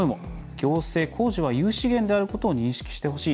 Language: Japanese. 「行政、公助は有資源であることを認識してほしい。